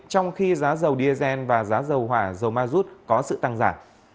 trong khi giá dầu diesel và giá dầu hỏa dầu ma rút có sự tăng giả